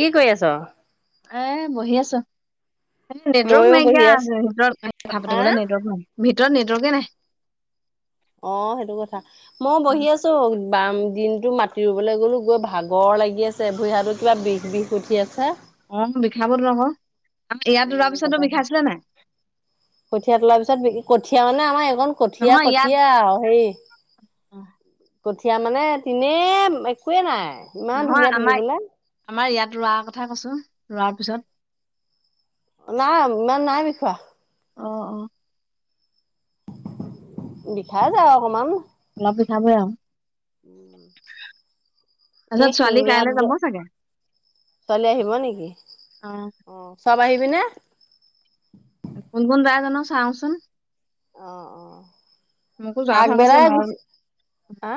কি কৰি আছ? এনেই বহি আছোঁ। ময়ো নেটৱৰ্ক বহি নাইকিয়া, আছো ভিতৰত কথা হা পাতিবলৈ নেটৱৰ্ক নাই, ভিতৰত নেটৱৰ্কে নাই। অ', সেইটো কথা। মই বহি উম আছো বাম দিনটো মাটি ৰুবলৈ গ'লো, গৈ ভাগৰ লাগি আছে। চে ভৰি হাতো কিবা বিষ বিষ উঠি আছে। অ', বিষাবতো আকৌ, আমাৰ ইয়াত ৰোৱা উম পিছতো তাৰপা বিষাইছিলে নে নাই? কঠীয়া তোলাৰ পিছত, কঠীয়া মানে আমাৰ এইকন কঠীয়া, নহয় ইয়াত কঠীয়া আৰু, হেৰি কঠীয়া মানে তেনেই একোৱে নাই। ইমান নহয় ধুনীয়া আমাৰ, তুলিবলে আমাৰ ইয়াত ৰোৱাৰ কথা কৈছোঁ, ৰোৱাৰ পিছত। নাই, ইমান নাই বিষোৱা। অ', অ'। বিষাইচে আও অকমান। অলপ বিষাবই আও পাছত এই ছোৱালী শিঙীয়া কাইলে যাব চাগে। ছোৱালী আহিব নেকি? অ অ', চব আহিবিনে? কোন কোন জাই জানো চাওঁচোন। অ', অ'। মোকো যোৱা আগ কথা কৈছে বেলাই মই গুছি হা?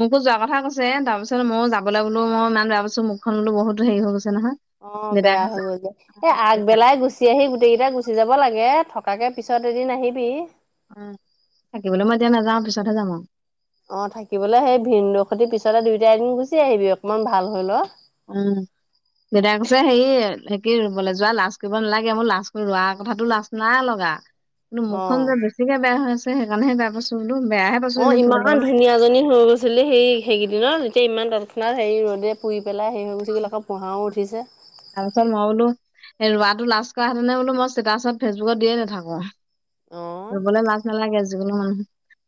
মোকো যোৱা কথা কৈছে, তাৰপিছত মইও যাবলৈ বোলো মই ইমান বেয়া পাইছোঁ মুখখন বোলো বহুত হেৰি হৈ গৈছে নহয়। অ', দেউতাই বেয়া হৈ কৈছে গ'ল যে, এ দেউতাই আগবেলাই গুছ [unintelligible] গোটেইকেইটা গুচি যাব লাগে, থকাকে পিছত এদিন আহিবি উম, থাকিবলৈ মই এতিয়া নাযাওঁ পিছতহে যাম আও। অ', থাকিবলে হেই ভিন্দসতি পিছতে দুইটাই এদিন গুচি আহিবি, অকনমান ভাল হৈ ল'। উম। দেতাই কৈছে হেই হে কি ৰুবলে যোৱা লাজ কৰিব নালাগে, মোৰ লাজ কৰি ৰোৱাৰ কথাটো লাজ নাই লগা। কিন্তু অ মুখখন যে বেছিকে বেয়া হৈ আছে হেকাণেহে বেয়া পাইছো বোলো, বেয়াহে পাইছো এনে অ', ফুৰিব ইমান গলে ধুনীয়া জনী হৈ গৈছিলি হেই হেইকিদিনত, এতিয়া ইমান তৎক্ষণাত হেই ৰ'দে পুই পেলাই হেই হৈ গুছি গ'ল আকৌ ফোহাও উঠিছে। তাৰ পিছত মই বোলো এ ৰোৱাটো লাজ কৰা হেতেনে বোলো মই ষ্টেটাছত ফেচবুকত দিয়ে নাথাকো। অ ৰুবলৈ লাজ নালাগে যিকোনো মানুহ,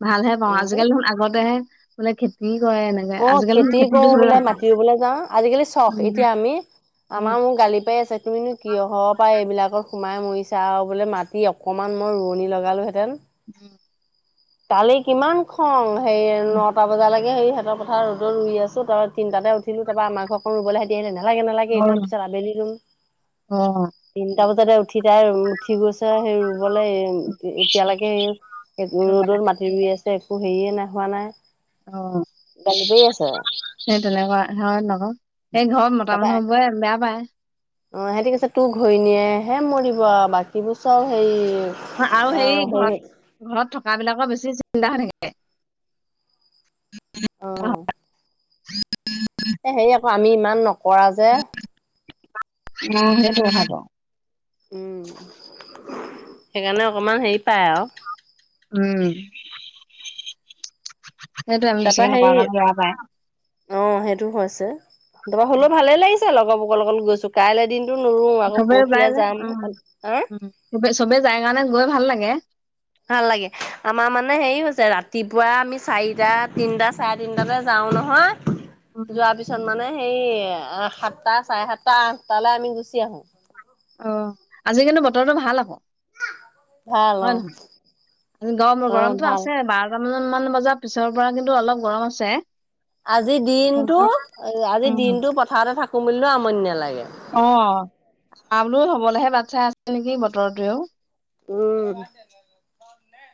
ভালহে অ পাওঁ আজিকালি দেখুন, আগতেহে বোলে খেতি কৰে এনে অ', খেতি কৰো বোলে, মাতি ৰুবলৈ যাওঁ, আজিকালি চখ। এতিয়া আমি আমা পায় মো গালি পাই আছে, তুমিনো কিহপা এইবিলাকত সোমাই মৰিচা আও বোলে মাটি অণমান মই ৰোৱনী লগালোঁহেঁতেন। [unintelligible] কালি কিমান খং, হে এই নটা বজালৈকে হেই হেতৰ পথাৰত ৰ'দত ৰুই আছো, তাপা তিনিটাতে উঠিলো, তাপা আমা ঘৰ [unintelligible] ৰুবলে হে দিয়ে নে, নালাগে, নালাগে এইকণ পিছত আবেলি ৰুম। অ অ তিনটা বজাতে উঠি তাই ৰু উঠি গৈছে হেই ৰুবলে, এই এতিয়ালৈকে এ-এই ৰ'দত মাটি ৰুই আছে একো হেৰিয়ে নে হোৱা অ নাই। গালি পাৰি আছে। সেই তেনেকুৱা হয়তোন আক' সেই ঘৰত মতা তাৰপা মানুহ বোৰে বেয়া পায়। অ', সেহেতি কৈছে তোৰ ঘইণীহে মৰিব আৰু বাকীবোৰ চব হেৰি আৰু হেৰি ঘৰত ঘৰত থকা বিলাকৰ বেছি চিন্তা হৈ থাকে। অ'। এ হেৰি আকৌ আমি ইমান নকৰা যে। [unintelligible] সেইটো কথাটো। উম, সেইকাৰণে অকণমান হেৰি পাই আৰু। উম, সেইটো আমি তাৰপা বেছিকে নকৰা হেৰি কাৰণে বেয়া পায়। অ', সেইটো হৈছে তাৰপৰা হ'লেও ভালে লাগিছে লগৰবোকৰ লগত গৈছো কাইলৈ দিন টো নুৰুও আকৌ চবে ওলাই পৰহিলৈ যায় যাম উম উম চবে যায় কাৰণে গৈ ভাল লাগে। ভাল লাগে আমাৰ মানে হেৰি হৈছে ৰাতিপুৱা আমি চাৰিটা তিনটা চা তিনটাতে যাও উম নহয়। যোৱাৰ পিছত মানে হেই সাতটা চাৰে সাতটা আঠটালৈ আমি গুচি আহো। অ', আজি কিন্তু বতৰটো ভাল আকৌ। ভাল অ হয়, নহয়? গৰম অ গৰমটো ভাল আছে বা টা মান বজাৰ পিছৰ পৰা কিন্তু অলপ গৰম আছে। আজি দিনটো কিন্তু আজি উম দিনটো পথাৰতে থাকো বুলিলেও আমনি নালাগে। অ' [unintelligible] বাট চাই আছে নেকি বতৰটোৱেও। উম।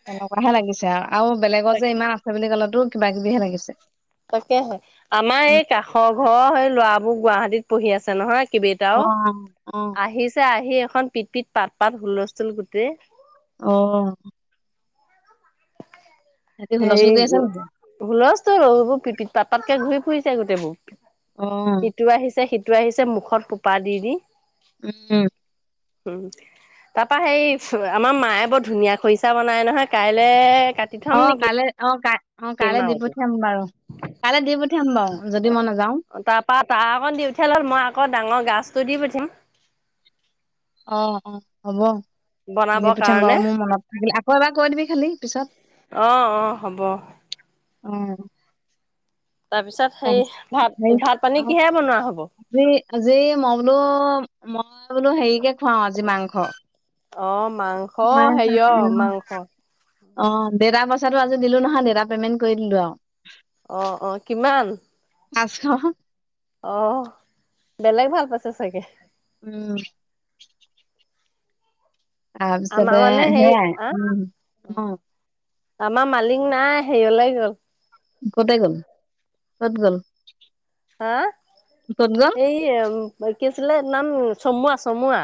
তেনেকুৱাহে লাগিছে আৰু। আৰু বেলেগৰ যে ইমান আছে বুলি ক'লেতো কিবা কিবিহে লাগিছে। তাকেহে, আমাৰ উম এই কাষৰ ঘৰৰ সেই ল'ৰাবোৰ গুৱাহাটীত পঢ়ি আছে নহয় কিবে অ টাও অ আহিছে আহি এখন পিত, পিত পাত, পাত হুলস্থূল গোটেই। অ'। ৰাতি হুলস্থুল হেৰি কৰি আছে নেকি? হুলস্থূল এবোৰ পিত, পিত পাত, পাতকে ঘূৰি ফুৰিছে গোটেইবোৰ। অ', ইটো আহিছে সিটো আহিছে মুখত সোপা দি, দি। উম। [inaudible] তাৰপা সেই আমাৰ মায়ে বৰ ধুনীয়া খৰিচা বনাই নহয় কাইলৈ কাট অ', কাইলে অ', কা অ' কাইলে দি মাওতো পঠিয়াম বাৰু, কাইলে দি পঠিয়াম বাৰু যদি মই নাযাওঁ। তাৰপা তাৰ অকণ দি পঠিয়ালে হ'ল মই আকৌ ডাঙৰ গাজটো দি পঠিয়াম। অ', অ', হ'ব দি বনাবৰ পঠিয়াম কাৰণে বাৰু মোৰ মনত থাকিলে, আকৌ এবাৰ কৈ দিবি খালি পিছত। অ', অ', হ'ব। অ'। তাৰপিছত সেই তাৰপিছত ভাত, হেৰি ভাত পানী অ', কিহে বনোৱা হ'ব। আজি, আজি মই বোলো মই বোলো হেৰিকে খোৱাওঁ আজি মাংস। অ', মাংস হেৰিয় মাংস। অ', দেতাৰ পইচাটো আজি দিলোঁ নহয় দেতা পেমেণ্ট কৰি দিলোঁ আৰু। অ', অ', কিমান? পাঁচশ। অহ, বেলেগ ভাল পাইছে চাগে। উম। তাৰপিছতে আমাৰ মানে হেৰি সেয়াই উম। আ। অ'। আমাৰ মালিক নাই হেৰিয়লে গ'ল। ক'তে গ'ল, ক'ত গ'ল? হা, ক'ত গ'ল? এই কি আছিলে নাম চমুৱা, চমুৱা।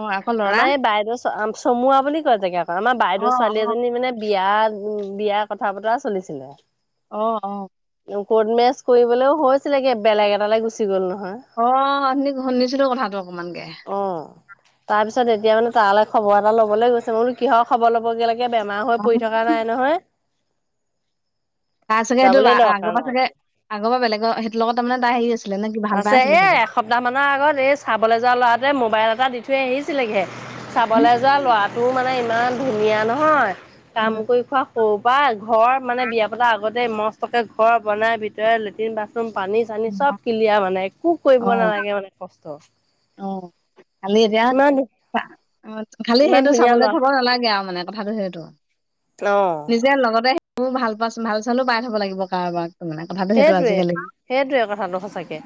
অ আকৌ লৰা আমাৰ এই বাইদেউ ছো চমুুৱা বুলি কয় জেগাকন, আমাৰ অ বাইদেউ ছোৱালী অ এজনী মানে বিয়াত বিয়াৰ কথা বতৰা চলিছিলে। অ', অ'। কৰ্ট মেৰেজচ কৰিবলৈও হৈছিলে গে, বেলেগ এটালে গুচি গ'ল নহয়! অ', অথনি শুনিছিলোঁ কথাটো অকমানকে! অ'। তাৰপিছত এতিয়া মানে তালে খবৰ এটা ল'বলৈ গৈছে। মই বোলো কিহৰ খবৰ ল'বগে লা গে বেমাৰ হৈ পৰি থকা নাই নহয়! তাৰ চাগে সেইটো যাবলৈ দৰকাৰ আ-আ-আগপা নাই চাগে, বোলো আগপা বেলেগৰ সেইটোৰ লগত তাৰমানে তা হেৰি আছি আছে এ, এসপ্তাহ মানৰ আগত এই চাবলৈ যোৱা ল'ৰাটোৱে মোবাইল এটা দি থৈ আহিছিলেগেহে, চাবলৈ যোৱা ল'ৰাটোও মানে ইমান ধুনীয়া নহয়! কাম কৰি খোৱা সৰুৰ পা, ঘৰ মানে বিয়া পতা আগত তেই মস্তকে ঘৰ বনাই ভিতৰে লেট্ৰিন, বাথৰুম পানী-চানী উম চব কিলিয়াৰ মানে একো কৰিব অ নালাগে মানে কষ্ট। অ', খালি এতিয়া ইমান তা, খালি ইমান সেইটো ধুনীয়া চাবলে ল'ৰা যাব নালাগে আৰু মানে কথাটো সেইটো। অ' নিজে লগতে, সেইবোৰ ভাল, [unintelligible] ভাল-চালো পাই থ'ব লাগিব কাৰোবাক [unintelligible] মানে। কথাটো সেইটো সেইটোৱে। আজিকালি সেইটোৱে কথাটো সঁচাকে,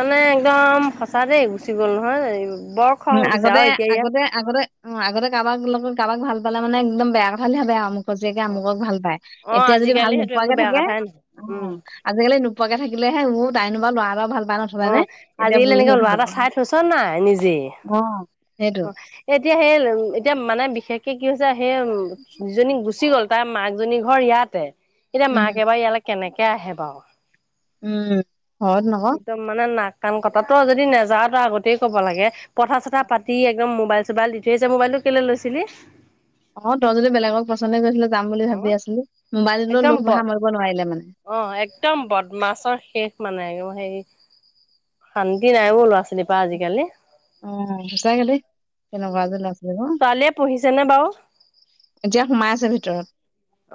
মানে একদম সঁচা দেই গুচি গ'ল নহয় বৰ খং উম, উঠিছে আগতে, আৰু এতিয়া ইয়াত আগতে আগতে অ', আগতে কাৰোবাক লগত কাৰোবাক ভাল পালে মানে একদম বেয়া কথা বুলি ভাৱে আৰু জীয়েকে অ' আমুকক ভালপায়, অ' এতিয়া যদি ভাল আজিকালি সেইটো একো নোপোৱাকে বেয়া থাকে কথাই নহয় উম। আজিকালি নোপোৱাকে থাকিলেহে, অ', তাইনো বাৰু ল'ৰা এটাও ভালপায় নথ'লে নে এতিয়া বু়ঢ়ী হৈ থাকিব। শুইচনে নাই নিজেই। অঁ সে এতিয়া সেই, এতিয়া মানে বিশেষকে কি হৈছে, সেই উম যিজনী গুচি গ'ল, তাৰ মাকজনীৰ ঘৰ ইয়াতে, এতিয়া উম মাক এবাৰ ইয়ালৈ কেনেকে আহে বাৰু। উম ঘৰত নহয়। একদম মানে নাক-কান কটাতকৈ যদি নাযাৱ তই আগতেই ক'ব লাগে। কথা-চথা পাতি একদম মোবাইল-চোবাইল দি থৈ আহিছে, মোবাইলটো কেলৈ লৈছিলি? অঁ, তই যদি বেলেগক পচন্দ কৰিছিলি, যাম বুলি অ ভাৱি আছিলি, মোবাইলটোলৈ লোভ সামৰিব নোৱাৰিলি মানে। অঁ একদম বদমাছৰ শেষ মানে, হেৰি শান্তি নাই অ' ল'ৰা-ছোৱালীৰ পৰা আজিকালি। উম সঁচাকে দেই, কেনেকুৱা যে লাজ লাগিছে ন। ছোৱালীয়ে পঢ়িছে নে বাৰু এতিয়া সোমাই আছে ভিতৰত।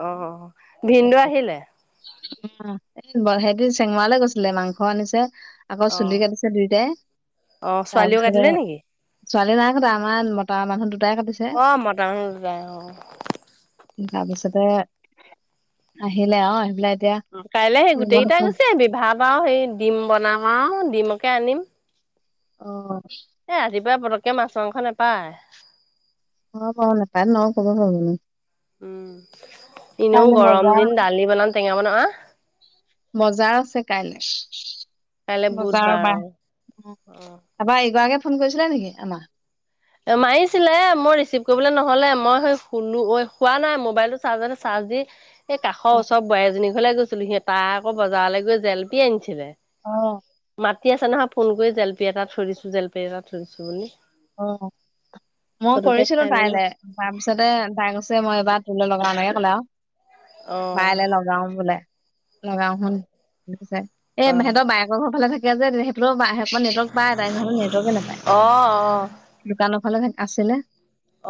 অ' ভিনদেউ আহিলে? উম, সিহ'তে চেঙৰালৈ গৈছিলে, মাংস আনিছে। আকৌ অ চুলি কাটিছে দুইটাই। অ তাৰ ছোৱালীও কাটিলে নেকি? ছোৱালী নাই কটা, আমাৰ মতা মানুহ দুটাই কাটিছে। অঁ মতা মানুহ দুটাই, অঁ অঁ। তাৰপিছতে আহিলে আৰু, আহি পেলাই এটিয়া অঁ কাইলৈ সেই গোটেই কেইটাই গুচি আহিবি, ভাত আৰু সেই ডিম বনাম আৰু, ডিমকে আনিম। অঁ। এই ৰাতিপুৱা পটককৈ মাছ, মাংস নাপায়। নেপায়, নেপায় ন ক'ৰপৰা পাবি? উম, এনেওঁ গৰম বজাৰ দিন, দালি বনাম টেঙা বনাম আৰু। বজাৰ আছে কাইলে, কাইলে বজাৰৰ বুধবাৰ বাৰ। অ। আমাৰ এইগৰাকীয়ে ফোন কৰিছিলে নেকি আমাৰ? মাৰিছিলে, মই ৰিচিভ কৰিবলৈ নহ'লে, মই সেই শুলো শোৱা নাই মোবাইলটো চাৰ্জত আছিলে। চাৰ্জ দি এই অ কাষৰ ওচৰৰ বোৱাৰী এজনীৰ ঘৰলে গৈছিলোঁ, সিহঁতে আকৌ বজাৰলৈ গৈ জেলপি আনিছিলে। অঁ। মাতি আছে নহয় ফোন কৰি, জেলেপী এটা থৈ দিছোঁ, জেলেপী এটা থৈ দিছোঁ বুলি। অ' মই ফটককে কৰিছিলোঁ খাই মেলি তাইলে। তাৰ পিছতে তাই কছে, মই এইবাৰ তোলৈ লগাওঁ, তাই এনেকে ক'লে আৰু। অ', বাইলৈ লগাওঁ বোলে, লগাওঁ চোন বুলি কৈছে। এ অ', সেহ'তৰ বায়ে ব ঘৰৰ ফালে থাকে যে, তেতিয়া হেইফালেউ নেতৱৰ্ক পায় তাই, নহলে নেতৱৰ্কে নাপায়। অঁ অঁ। দোকানৰ ফালে আছিলে।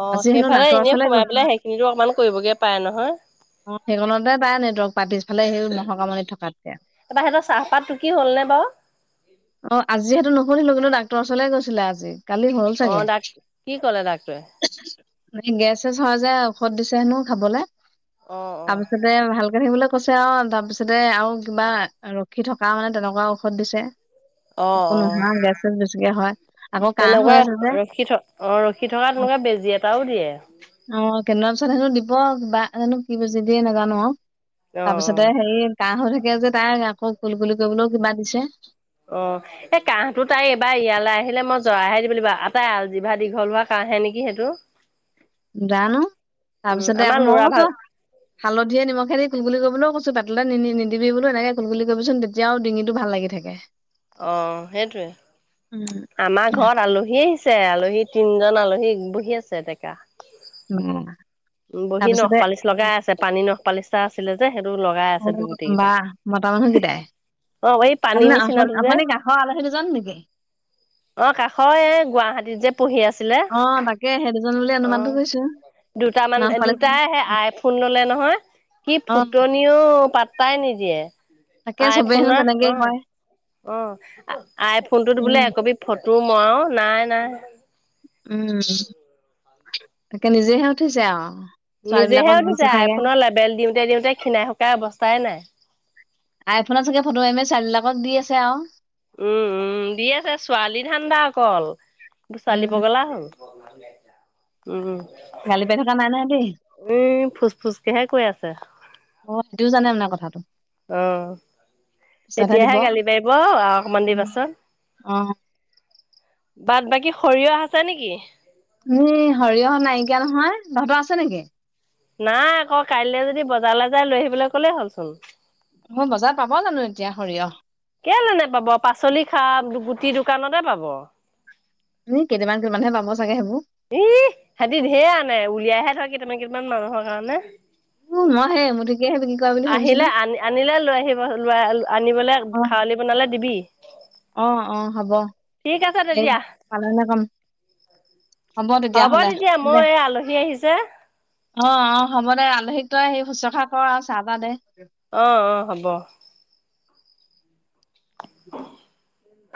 অ' আজি হেনো সেইফালে ডাক্তৰৰ এনেই ওচৰলে সোমাই গৈছে পেলাই সেইখিনিতো অকমান কৰিবগৈ পাৰে নহয়। অ' সেইকনতে তাই নেটৱৰ্ক পায়, পিছফালে সেই ম'হকামনিত থকাতকে। তা পা সিহঁতৰ চাহপাত টুকি হ'ল নে বাৰু? অ' আজি হেইটো নুসুধিলো, কিন্তু ডাক্তৰ ওচৰলৈ গৈছিল আজি। কালি হ'ল চাগে। অ', ডাক কি ক'লে ডাক্তৰে? বাকী গেছ চেছ হয় যে ঔষধ দিছে হেনো খাবলৈ। অ', অ', তাৰপিছতে ভালকে থাকিবলৈ কৈছে আৰু তাৰপিছতে আৰু কিবা ৰখি থকা মানে তেনেকুৱা ঔষধ দিছে, অ', একো অ', নোহোৱা গেছ চেচ বেছিকে হয়। আকৌ কাহ তেনেকুৱা হৈ আছে যে ৰখি থকা অ' ৰখি থকা তেনেকুৱা বেজি এটাও দিয়ে। অ' কেই দিন পিছত হেনো দিব, কিবা হেনো কি বেজি দিয়ে নাজানো আৰু। অ', তাৰপিছতে অ'। হেৰি কাহঁ হৈ থাকে যে তাইৰ, আকৌ কুল-কুলি কৰিবলৈও কিবা দিছে। অ'। এই কাহঁটো তাই এবাৰ ইয়ালৈ আহিলে মই জৰাইহে দিব লাগিব! তাই আলজিভা দীঘল হোৱা কাঁহহে নেকি সেইটো? জানো, উম, তাৰপিছতে আমাৰ আকৌ মই ল'ৰা ভাল কছো হা'লধিয়ে নিমখে দি কুল-কলি কৰিবলৈও কৈছো, পেতলৈ নিদিবি বোলো এনেকে কুলকুলি কৰিবিচোন যেতিয়াও ডিঙিটো ভাল লাগি থাকে। অ' সেইটোৱে। আমাৰ ঘৰত আলহী আহিছে, আলহী তিনজন আলহী বহি আছে ডেকা। উম। উম, বহি নখ পালিচ লগাই আছে! পানী নখ পালিচটা আছিলে যে সেইটো লগ অ' বা মতা মানুহ কেইটাই! অ এই পানী আপুনি, নিচিনাটো যে আপুনি কাষৰ আলহী দুজন নেকি? অ' কাষৰ এ গুৱাহাটীত যে পহি আছিল। অ' তাকে, সেই দুজনলৈ অনুমানটো কৰিছো। দু মানে, নাওফালে দুটাই আহে আইফোন ললে নহয়, কি অ ফুতনি নিও পাতটাই নিদিয়ে। তাকে চবেই হেনো আইফোনৰ তেনেকেই কয় অ', অ' আইফোনটোত উম বোলে একবি ফটো মই, নাই নাই। উম তাকে! নিজেহে উঠিছে আউ। নিজেহে উঠিছে, আইফোনৰ লেবেল দিওঁতে দিওঁতে খীনাই শুকাই অৱস্থাই নাই। আইফোনত চাগে ফটো মাৰি মাৰি ছোৱালী বিলাকক দি আছে আউ। উম, উম দি আছে ছোৱালী ধান্দা অকল, ছোৱালী উম পগলা হ'ল। উম। গালি পাৰি থকা নাই নহয় দেই উম, ফোচ ফুচকেহে কৈ আছে। অ' সিহতিও জানে মানে কথাটো। অ' পিছতহে এতিয়াহে দিব গালি পাৰিব! অকমান দেৰি পাছত। অ বাট বাকী সৰিয়হ আছে নেকি? ই সৰিয়হৰ নাইকিয়া নহয়, তাহঁতৰ আছে নেকি? নাই আকৌ, কাইলৈ যদি বজাৰলৈ যাই লৈ আহিবলৈ ক'লেই হ'লচোন। মই বজাৰত পাব জানো এতিয়া সৰিয়হ? কেলে নাপাব! পাচলি খাক গুটি দোকানতে পাব। উম, কেইটামান কেইটামান পাব ছাগে সেইবোৰ। ই সেহিতি ঢেৰ আনে, উলিয়াইহে থয় কেইটামান কেইটামান মানুহৰ কাৰণে। উম, মই হেই এমুঠি কেই বাকি আহিলে আনিলে লৈ আহিব ল আনিবলৈ খাৱলি বনালে দিবি। অ'অ', হ'ব ঠিক আছে এই তেতিয়া পালনে কাম। হ'ব তেতিয়াহ'লে তেতিয়া দে। মই এই আলহী আহিছে অ', অ', হ'ব দে আলহীক তই স শুশ্ৰুষা কৰ আৰু চাহ তাহ দে। অ', অ', হ'ব। অ।